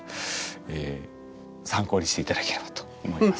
え参考にしていただければと思います。